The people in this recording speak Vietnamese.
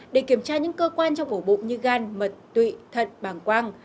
để kiểm tra những cơ quan trong ổ bụng như gan mật tụy thận bàng quang